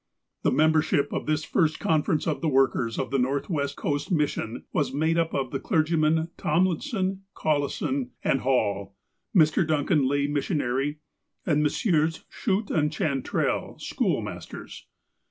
The membership of this first conference of the workers of the Northwest Coast Mission was made up of the clergymen Tomlinson, Collison, and Hall, Mr. Duncan, lay missionary, and Messrs. Schutt and Chantrel, school masters.